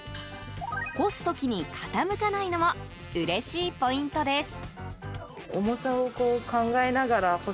干す時に傾かないのもうれしいポイントです。